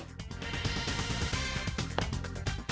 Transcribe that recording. มันจะไปหมด